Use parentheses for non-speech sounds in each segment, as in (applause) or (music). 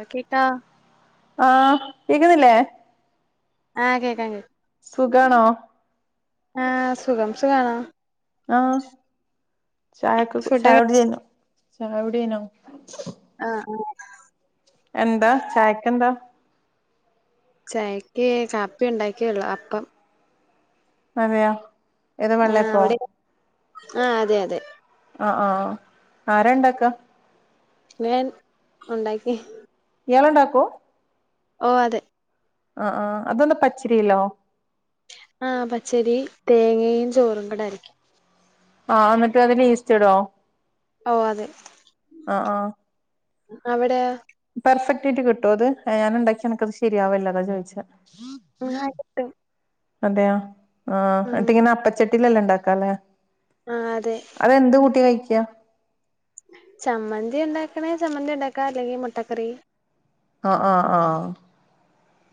അ കേട്ടാ ആ കേക്കുന്നില്ലേ? ആ കേക്കാം കേക്കാം. സുഖാണോ? ആ സുഖം. സുഖാണോ? ആ ചായ ഒക്കെ ചായ ഫുഡൊക്കെ കുടി കഴിഞ്ഞു. ചായടീ കഴിഞ്ഞോ? ആ ആ. എന്താ ചായക്കെന്താ? ചായക്ക് കാപ്പി ഉണ്ടാക്കിയൊള്ളു അപ്പം അതെയോ ഏത് ആഹ് വെള്ളയപ്പോ അവിടെ ആഹ് അതെ അതെ ആഹ് ആരാണ്ടാക്ക നാൻ ഉണ്ടാക്കി ഇയാളൊണ്ടാക്കും ഓ അതെ ആഹ് ആഹ് അതെന്താ പച്ചരിലോ ആഹ് പച്ചരി തേങ്ങയും ചോറും കൂട അരക്കും ആഹ് എന്നിട്ട് അതിന് ഈസ്റ്റ് ഇട്വോ ഓ അതെ ആഹ് ആഹ് അവിടെ പെർഫെക്റ്റ് ആയിട്ട് കിട്ടോ അത് ഞാന് ഉണ്ടാക്കിയ എനക്ക്ത് ശരിയാവല്ല അതാ ചോദിച്ച ആഹ് കിട്ടും അതെയോ ആഹ് ഉം എന്നിട്ടിങ്ങന അപ്പച്ചട്ട് ട്ടിലല്ല ഇണ്ടാക്കാലെ ആഹ് അതെ അതെന്ത് കൂട്ടി കഴി യാ ചമ്മന്തി ഉണ്ടാക്കണേ ചമ്മന്തി ഉണ്ടാക്കാ അല്ലെങ്കി മുട്ടക്കറി ആഹ് ആഹ് ആഹ്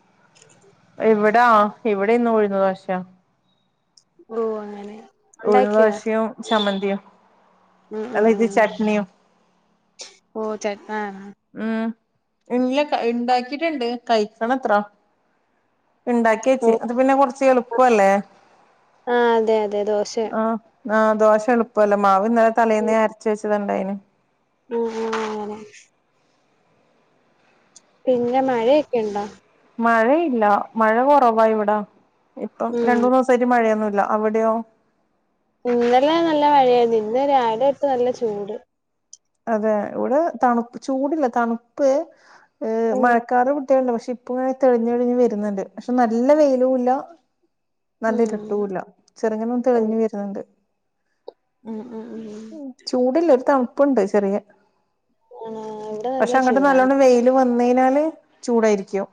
(inaudible) ഇവിടാ ഇവിടെ ഇന്ന് ഉഴുന്ന് ദോശ ഓ അങ്ങനെ ഉഴുന്ന് ദോശയും ചമ്മന്തി ന്തിയും ആഹ് ആഹ് ആഹ് ഓ ചട് ആഹ് ഉം ഇല്ല കയ് ഉണ്ടാക്കിട്ടുണ്ട് കയിക്കണത്ര ഇണ്ടാക്കി ഓ വെച്ച അത് പിന്നെ കൊറച്ച് എളുപ്പല്ലേ ആഹ് അതെ അതെ ദോശ ആഹ് ആഹ് ദോശ എളുപ്പല്ലേ മാവ് ഇന്നല തലേന്നെ അരച് വെച്ച് തുര്ണ്ടായിനു ആഹ് ആഹ് അങ്ങനെ പിന്നെ മഴയൊക്കെ ഉണ്ടോ മഴയില്ല മഴ കൊറവാ ഇവിടാ ഇപ്പം രണ്ട് ഉം മൂന്ന് ദിവസായിട്ട് മഴയൊന്നുല് ല്ല അവിടെയോ ഇന്നെല നല്ല മഴയായിരുന്ന് ഇന്ന് രാവിലെ തൊട്ട് നല്ല ചൂട് അതെ ഇവിടെ തണുപ്പ് ചൂടില്ല തണുപ്പ് ഏഹ് ഉം മഴക്കാറ് ഇവിട് (unintelligible) പക്ഷെ ഇപ്പ ഇങ്ങനെ തെളിഞ്ഞ് തെളിഞ്ഞ് വരുന്നുണ്ട്. പക്ഷെ നല്ല വെയിലുല്ലാ നല്ല ഇരുട്ടൂല്ല ചെറുങ്ങനെ ഓ തെളിഞ്ഞു വരുന്നുണ്ട്. ഉം ഉം ഉം മ് ചൂടില്ല ഒരു തണു പ്പുണ്ട് ചെറിയെ ആണ് ഇവിടെ നല്ല പക്ഷെ അങ്ങോട്ട് ചൂടാണ് നല്ലോണ്ണം വെയില് വന്ന് മെയിനാല് ചൂടായിരിക്കോ?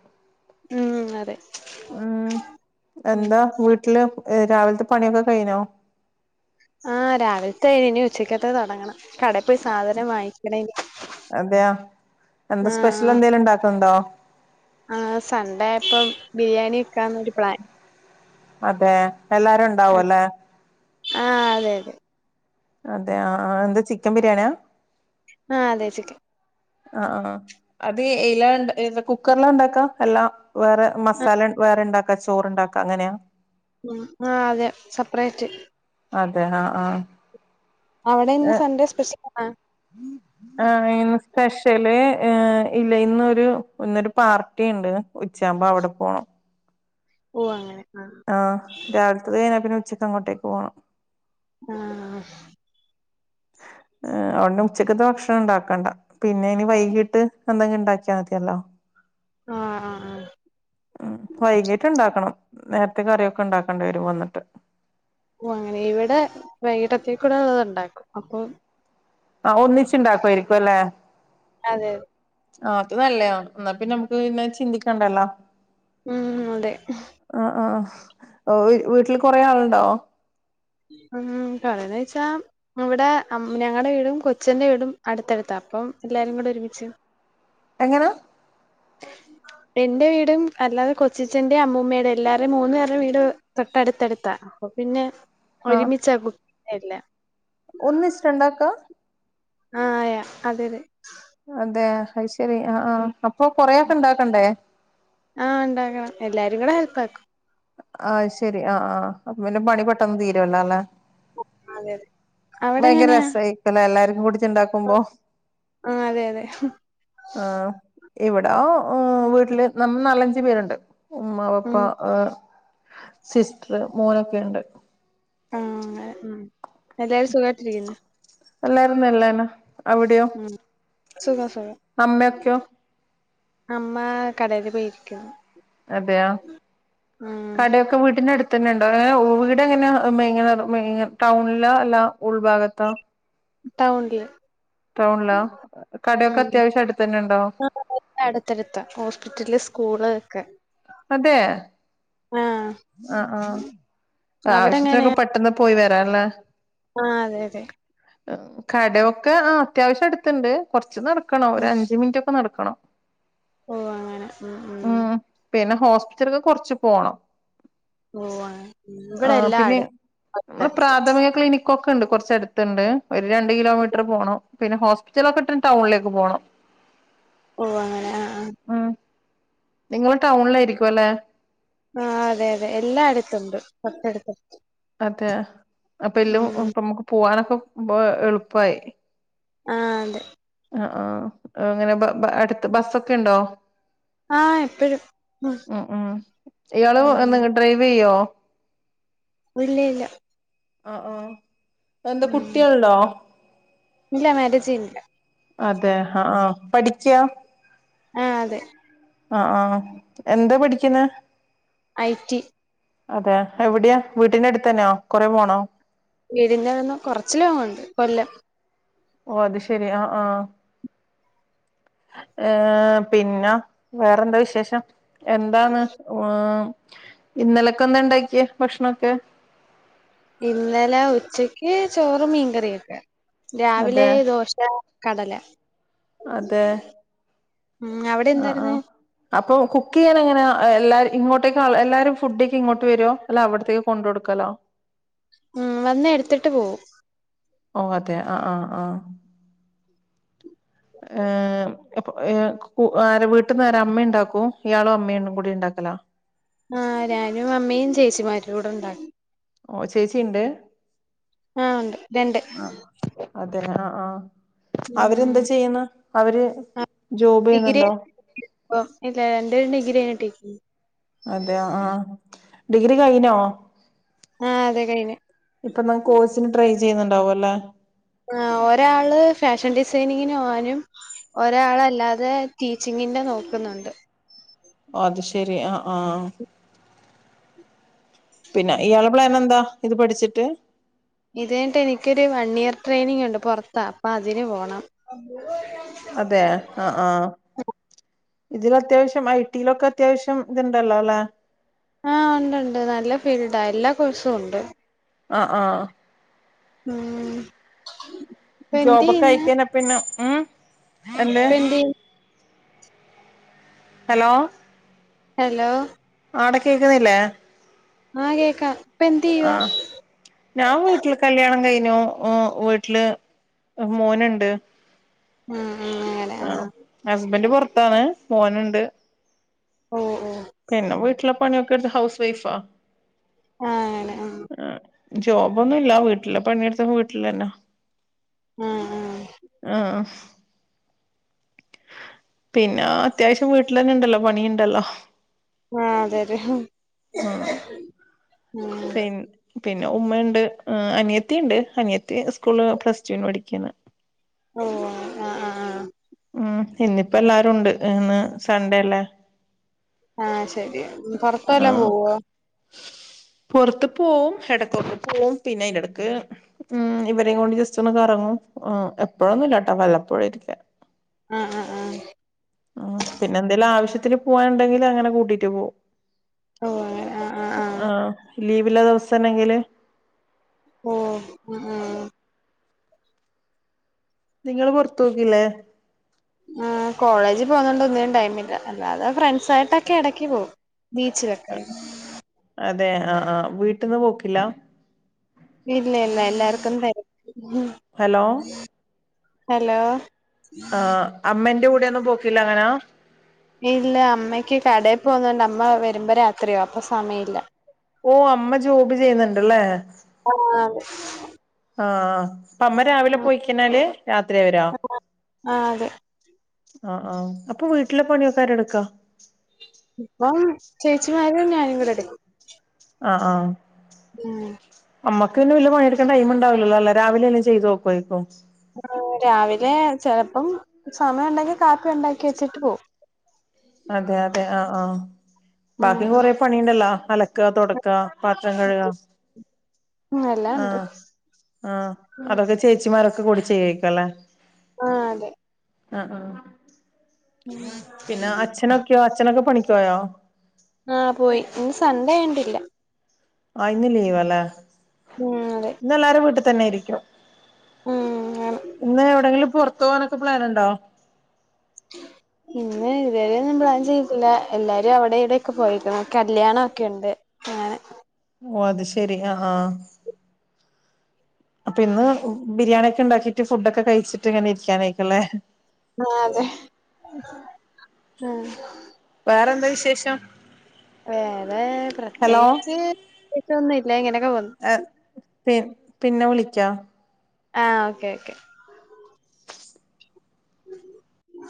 ഉം അതെ ഉം ഉം എന്താ വീട്ടില്? ഏ രാവിലത്തെ പണിയൊക്കെ കയിഞ്ഞോ? ആ രാവിലത്തെഴിഞ്ഞു. ഇനി ഉച്ചയ്ക്കത്തെ തൊടങ്ങണം. അതെയൊ? എന്താ സ്പെഷ്യൽ എന്തേലും ഉണ്ടാക്കുന്നുണ്ടോ? ആ സൺഡേയായപ്പം ബിരിയാണി വക്കാന്നൊരു പ്ലാൻ. അതെ എല്ലാരും ഒണ്ടാവും അല്ലേ? ആഹ് അതെ അതെ. അതെ ആ എന്താ ചിക്കൻ ബിരിയാണിയാ? ആഹ് അതെ ചിക്കൻ ആഹ് ആ അത് ഏയിലാണ്ടാ കുക്കറിലാ ഒണ്ടാക്കുവാ എല്ലാം വേറെ മസാല വേറെണ്ടാക്ക് (unintelligible) ചോറുണ്ടാക്കാ അങ്ങനെയാ? ഉ ആ അതെ സെപ്പറേറ്റ് അതെ ആഹ് ആഹ് അവിടെ ഇന്ന് സൺഡേ സ്പെഷ്യൽ ആഹ് ആ ഇന്ന് സ്പെഷ്യല് എ ഇല്ല ഇന്നൊരു ഇന്നൊരു പാർട്ടിണ്ട് ഉച്ചയാമ്പോ അവിടെ പോണം. ഓ അങ്ങനെ. ആഹ് രാവിലത്തത് കഴിഞ്ഞാ പിന്നെ ഉച് ചക്ക് അങ്ങേട്ടേക്ക് പോണം. ആഹ് ഒണ്ണും ഉച്ചക്കത്തെ ഭക്ഷണം ഉണ്ടാക്കണ്ട. പിന്നെ ഇനി വൈകീട്ട് എന്തെങ്കിലും ഉണ്ടാക്കിയാൽ മതിയല്ലോ ആഹ് ആഹ് ആഹ് വൈകിട്ട്ണ്ടാക്കണം. നേരത്തെ കറിയൊക്കെ ഒണ്ടാക്കേണ്ടി വരും വന്നിട്ട്. ഓ അങ്ങനെ ഇവടെ വൈകിട്ടത്തെക്കൂടെ ഉള്ളത് ഒണ്ടാക്കും. അപ്പൊ ആ ഒന്നിച്ചുണ്ടാക്കുവായിരിക്കും അല്ലേ? അതെതെ. ആ അത് നല്ലയാണ്. എന്നാ പിന്നെ നമുക്ക് പിന്നെ ചിന്തിക്കണ്ടല്ലോ. ഉം അതെ ആഹ് ആഹ് വീട്ടില് കൊറെ ആളുണ്ടോ ഉം പറയന്ന് വെച്ചാ ഇവിടെ ഞങ്ങടെ വീടും കൊച്ചന്റെ വീടും അടുത്തടുത്താ അപ്പം എല്ലാരും കൂടെ ഒരുമിച്ച്. എങ്ങനാ? എന്റെ വീടും അല്ലാതെ കൊച്ചച്ചന്റേം അമ്മൂമ്മേടേം എല്ലാരടേം മൂന്നു പേരുടെ വീട് തൊട്ടടുത്തടുത്താ അപ്പ പിന്നെ. ഒരുമിച്ചാക്കും. എല്ല ഒന്നിച്ചിട്ടാണ്ടാക്കാ? ആ യാ അതെയതെ. അതെയോ അയ്ശ ശരി ആ ആ അപ്പൊ കൊറേയൊക്കൊണ്ടാക്കണ്ടേ? ആ ഉണ്ടാക്കണം എല്ലാരും കൂടെ ഹെൽപ്പാക്കും. ആ ശരി ആ ആ അപ്പൊ പിന്നെ പണി പെട്ടെന്ന് തീരുവല്ലോ അല്ലേ? അതെതെ. ഭയങ്കര രസായ്ക്കല എല്ലാരും. ഓട്. ക്കെണ്ടാക്കുമ്പോ ആ അതെ അതെ. ആ ഇവിടാ ആ വീട്ടില് നമ്മ നാലഞ്ചു പേരുണ്ട്. ഉമ്മ പപ്പാ മ്മ്. ആ സിസ്റ്ററ് മോനൊക്കെയൊണ്ട്. ആ എ എല്ലാരും സുഖായിട്ടിരിക്കുന്നോ? എല്ലാരും നല്ലന്നെ. അവിടെയോ, മ്മ്. അമ്മയൊക്കെയോ? അമ്മാ കടയില് പോയിരിക്കാണ് അതെയോ, കടയൊക്കെ വീട്ടിനടു ത്തന്നെ ഉണ്ടോ, ഏ വെ വീട് എങ്ങനെ ഭയങ്കര ഭയങ്കര ടൗണിലാ അല്ല ഉൾഭാഗത്താ? ടൗണിൽ ടൗണിലോ, കടയൊക്കെ അത്യാവശ്യം അടുത്ത് തന്നെണ്ടോ? അടുത്തടുത്ത ഹോസ്പിറ്റല് സ്കൂള് ഒക്കെ. അതേ ആഹ് ആ ആ അവിടെ ആവശ്യത്തിനൊക്കെ പെട്ടെന്ന് പോയി വരാല്ലേ? ആ അതെയതെ. കടയൊക്കെ, ആ അത്യാവശ്യം അടുത്ത്ണ്ട്, കുറച്ച് ച്ചു നടക്കണം ഒരഞ്ച് മിനിറ്റൊക്കെ നട ക്കണം. പോവ്വാങ്ങനെ ഉം ഉം. ഹോസ്പിറ്റലക്കെ കൊറച്ച് പോണം. ഓ ആ ഇവിടെ ആഹ് എല്ലാം അടു ത്തടുത്ത് ഇപ്പൊക്കെ ഉണ്ട് കുറച്ചടുത്ത്ണ്ട് ഒരു രണ്ട് കിലോമീറ്റർ പോണം പിന്നെ ഹോസ്പിറ്റലൊക്കെട്ടാൻ ടൗണിലേക്ക് പോണം ഓ അങ്ങെ ആ ആ ഉം നിങ്ങള് ടൗണിലായിരിക്കുവല്ലേ ആ അതെ അതെ എല്ലായിടത്തുണ്ട് (unintelligible) അതെ അപ്പൊ എല്ലോം ഉം ഒപ്പമ്മക്ക് പോവാനൊക്കെ മ്പോ എളുപ്പായി ആ അതെ ആ ആ അങ്ങനെ ബ ബ അടുത്ത് ബസ്സൊക്കെ ഉണ്ടോ ആഹ് എപ്പഴും ഉ ഉം ഇയാള് ഉം ന്ന് ഡ്രൈവ് ചെയ്യോ ഇല്ല (unintelligible) ആ ആ എന്താ ഉം കുട്ടിയണ്ടോ ഇല്ല മാരേജ് ചെയ്യുന്നില്ല അതെ ഹ ആ പഠിയ്ക്കാ ആ അതെ ആ ആ എന്താ പഠിക്കുന്നേ ഐ റ്റി അതെ എവിടെയാ വീട്ടിന്റെ അടുത്തന്നെയോ കൊറെ പോണോ വീടിന്റെവിടുന്ന് കൊറച്ച് ലോങ്ങുണ്ട്‌ കൊല്ലം ഓ അത് ശെരി ആ ആ ഏ പിന്നെ വേറെന്താ വിശേഷം എന്താണ് ഇന്നലക്കെന്താ ഉണ്ടാക്കിയേ ഭക്ഷണൊക്കെ ഇന്നലെ ഉച്ചക്ക് ചോറ് മീൻക്കറിയൊക്കെ അതെ കടല അതെ ഉം അവിടെ ആ ആ എന്തായിരുന്നു അപ്പൊ കുക്കിയാനെങ്ങനാ എല്ലാര ഇങ്ങോട്ടേക്ക എല്ലാരും ഫുഡയിക്കാൻ ഇങ്ങോട്ട് വരുമോ അല്ല അവിടത്തേക്ക് കൊണ്ട് കൊടുക്കലോ ഉം വന്ന് എടുത്തിട്ട് പോവും ഓ അതെ അ ആ ആ ഏ അപ്പൊ എ കു ആരാ വീട്ടിന്നാരാ അമ്മേണ്ടാക്കോ ഇയാളും അമ്മയും കൂടി ഉണ്ടാക്കല ആ ഞാനും അമ്മയും ചേച്ചിമാരും കൂടെണ്ടാക്കും ഓ ചേച്ചീണ്ട് ആഹ് ഉണ്ട് രണ്ട് ആ അതന്നെ ആ ആ ഉം അവര്ന്താ ഉം ചെയ്യുന്നേ അവര് ആഹ് ജോബ് ഡിഗ്രി ചെയ്യുന്നുണ്ടോ ഇപ്പം ഇല്ല രണ്ടുപേരും ഡിഗ്രി (inaudible) അതെയ ആ ഡിഗ്രി കയിഞ്ഞോ ആഹ് അതെ കഴിഞ്ഞ് ഇപ്പൊ നാ കോഴ്സിന് ട്രൈ ചെയ്യുന്നുണ്ടാവും അല്ലെ ആ ഒരാള് ഫാഷൻ ഡിസൈനിങ്ങിന് പോകാനും ഒരാളല്ലാതെ ടീച്ചിങ്ങിന്റെ നോക്കുന്നുണ്ട് അത് ശരി ആ ആ പിന്നെ ഇയാള് പ്ലാനെന്താ ഇത് പഠിച്ചിട്ട് ഇത് കഴിഞ്ഞിട്ട് എനിക്കൊരു വൺ ഇയർ ട്രെയിനിങ് ഉണ്ട് പൊറത്താ അപ്പൊ അതിന് പോണം അതേ ആ ആഹ് ഇതിൽ അത്യാവശ്യം ഐടിയിലൊക്കെ അത്യാവശ്യം ഇത്ണ്ടല്ലോല്ലെ ആഹ് ഉണ്ട്ണ്ട് നല്ല ഫീൽഡാ എല്ലാ കോഴ്സും ഉണ്ട് ആ ആഹ് ഉം ഇപ്പ ജോബൊക്കെ ആയക്കാനോ പിന്നോ ഇപ്പെന്തെയ്യ് ഹലോ ഹലോ ആടെ കേക്ക്‌ന്നില്ലേ ആ കേക്കാം ഇപ്പ എന്തെയ്യുവാ ആഹ് ഞാൻ വീട്ടില് കല്യാണം കഴി നോ ഓ വീട്ടില് മോനുണ്ട് ഉം ഉം അങ്ങനെ ആഹ് അ ഹസ്ബന്റ് പൊറത്താണ് മോന് ഇണ്ട് ഓ ട്ടിലെ പണിയൊക്കെ എടുത്ത് ഹൗസ് വൈഫാ ആണ് ജോബൊന്നും ഇല്ല വീട്ടില് പണിയെടുത്ത് വീട്ടില് തന്നെ ഉം പിന്നാ അത്യാവശ്യം വീട്ടിലെന്നെ ഇണ്ടല്ലോ പണിയിണ്ടല്ലോ ആഹ് അതെതെ ഹ് ആഹ് ഉം ന്നെ ഉമ്മ ഇണ്ട് അനിയത്തി ഇണ്ട് അനിയത്തി സ്കൂളില് പ്ലസ്ടൂന് പഠിക്കുന്നു ഓഹ് ആ ആ ഉം ഇന്നിപ്പ എല്ലാരും ഉണ്ട് ഇന്ന് സൺഡേ അല്ലേ ആഹ് ശരി പൊറത്ത് വല്ലോം ആഹ് പോവോ പുറത്ത് പോവും എടകൊക്കെ പോവും പിന്നെ അയിന്റെ എടക്ക്‌ ഉം ഇവരേം കൊണ്ട് ജസ്റ്റ് ഒന്ന് കറങ്ങും എഹ് എപ്പോഴൊന്നും ഇല്ലാട്ടോ വല്ലപ്പോഴും ഒക്കെ ആഹ് ആഹ് ആഹ് ആഹ് പിന്നെ എന്തേലും ആവശ്യത്തി ത്തിന് പോകാന്ണ്ടെങ്കിൽ അങ്ങനെ കൂട്ടീറ്റ് പോകും ഓഹ് അങ്ങനെ ആഹ് ആഹ് ആഹ് ലീവില്ല ദിവസ ആണെങ്കില് ഓഹ് ഉം ഉം നിങ്ങള് പൊറത്ത് പോക്കില്ലേ ആഹ് കോളേജ് പോന്നോണ്ട് ഒന്നിനും ടൈമില്ല അല്ലാതെ ഫ്രണ്ട്സ് ആയിട്ടൊക്കെ എടയ്ക്ക് പോവും ബീച്ചിലൊക്കെ തെ ആ ആ വീട്ട്ന്ന് പോക്കില്ല ഇല്ല ഇല്ല എല്ലാർക്കും തെര ഹലോ ഹലോ ആ അമ്മന്റെ കു ടെന്നും പോക്കില്ല അങ്ങനാ ഇല്ല അമ്മയ്ക്ക് കടയിൽ പോന്നോണ്ട് അമ്മ വരുമ്പോ രാത്രിയാവും അപ്പൊ സമയല്ല ഓ അമ്മ ജോബ് ചെയ്യുന്നുണ്ടല്ലേ ആ ആഹ് അതെ ആ അ അപ്പ അമ്മ രാവിലെ പോയിക്കയ്ഞ്ഞാല് രാത്രിയാ വരാ ആഹ് അതെ ആ ആഹ് അപ്പൊ വീട്ടിലെ പണിയൊക്കെ ആരാടുക്കാ ഇപ്പം ചേച്ചിമാരും ഞാനും കൂടെടുക്കും അ ആ ഉം അമ്മക്ക് പിന്നെ വല്ല്യ പണിട്ക്കാ ടൈം ണ്ടാവില്ലല്ലോല്ലേ രാവിലെല്ലാം ചെയ്തവേക്കോയിക്കും രാവിലെ ചെലപ്പം ചാ അമ്മണ്ടെങ്ങി കാപ്പി ഉണ്ടാക്കി വച്ചിട്ട് പോം അതെ അതെ ആ ആ ബാക്കിം ഉം കൊറെ പണിണ്ടല്ലോ അലക്കാ തൊട ക്കാ പാത്രം കഴുകാ ഉം എല്ലാം ആ ഉണ്ട് ആ അതൊക്കെ ചേച്ചിമാര് ക്കെ കൂടി ചെയ്യേക്കുംല്ലേ ആ അതെ അ ആ പിന്നെ അച്ഛനൊക്കെയോ അച്ഛനൊക്കെ പണിക്ക ക്കൊയോ ആ പോയി ഇന്ന് സൻഡേ ആയോണ്ടില്ല ആ ഇന്ന് ലീവല്ലേ ഉം അതെ തന്നെയിരിക്യോ ഉം ആണ് ഇന്ന് എവിടെങ്കിലും പൊറ ത്തോവാനൊക്കെ പ്ലാനുണ്ടോ ഇന്ന് ഇതുവരെയൊന്നും പ്ലാൻ ചെയ്തില്ല എല്ലാരും അവിടെ ഇവിടൊക്കെ പോയെക്കുനു കല്യാണം ഒക്കെ ഒണ്ട് അങ്ങനെ ഓ അത് ശെരി ആ ആ അപ്പൊ ഇന്ന് ബിരിയാണി ഒക്കെ ഉണ്ടാക്കിട്ട് ഫുഡൊക്കെ കഴിച്ചിട്ട് ഇങ്ങനെ ഇരിക്കാനേക്കും ല്ലെ ആ അതെ വേറെന്താ വിശേഷം ആ വേറെ ഹലോ പ്രത്യേകിച്ച് പ്രേത്യേകിച്ചൊന്നുല്ല ഇങ്ങനൊക്കെ പോന്നു പി പിന്നെ വിളിക്കാം ആ ഓക്കെ ഓക്കെ